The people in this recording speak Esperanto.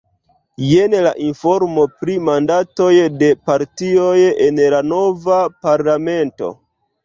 Jen la informo pri mandatoj de partioj en la nova parlamento.